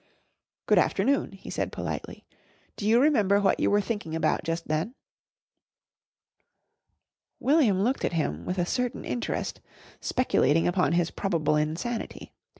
"Good afternoon," he said politely, "Do you remember what you were thinking about just then?" William looked at him with a certain interest, speculating upon his probable insanity.